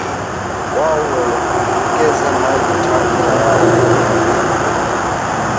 Wao huelekeza maji taka yao kwa mambo poa